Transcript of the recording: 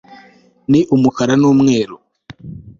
ni umukara n'umweru